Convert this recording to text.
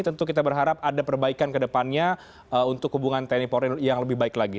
tentu kita berharap ada perbaikan ke depannya untuk hubungan tni polri yang lebih baik lagi